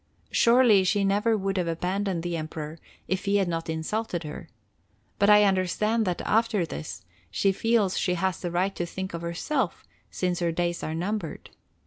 Surely she never would have abandoned the Emperor if he had not insulted her. But I understand that, after this, she feels she has the right to think of herself, since her days are numbered.